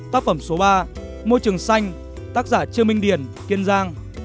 tác phẩm số ba môi trường xanh tác giả trương minh điển kiên giang